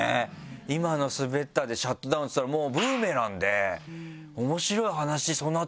「今のスベった」でシャットダウンしたらもうブーメランで。